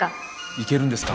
行けるんですか？